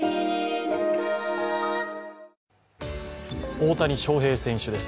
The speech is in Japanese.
大谷翔平選手です